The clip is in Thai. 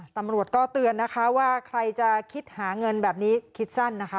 ตำรวจก็เตือนนะคะว่าใครจะคิดหาเงินแบบนี้คิดสั้นนะคะ